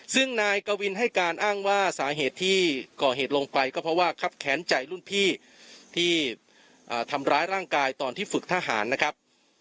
ซึ่งนายกวินให้การอ้างว่าสาเหตุที่ก่อเหตุลงไปก็เพราะว่าครับแค้นใจรุ่นพี่ที่ทำร้ายร่างกายตอนที่ฝึกทหารนะครับ